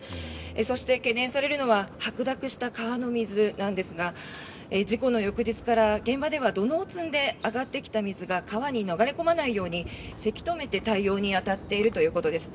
そして、懸念されるのは白濁した川の水なんですが事故の翌日から現場では土のうを積んで上がってきた水が川に流れ込まないようにせき止めて対応に当たっているということです。